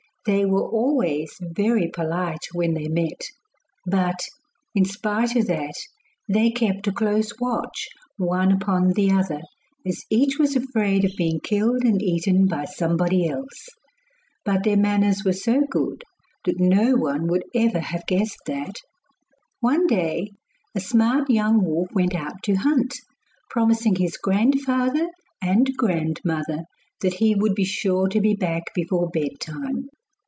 They were always very polite when they met; but, in spite of that, they kept a close watch one upon the other, as each was afraid of being killed and eaten by somebody else. But their manners were so good that no one would ever had guessed that. One day a smart young wolf went out to hunt, promising his grandfather and grandmother that he would be sure to be back before bedtime.